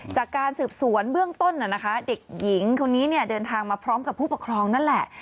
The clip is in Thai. จากการสืบสวนเบื้องต้นเด็กหญิงคนนี้เดินทางมาพร้อมกับผู้ปกครองนั่นแหละ